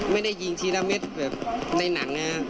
ไม่ได้ยิงทีร่าเมตรแบบในหนังนี่ครับ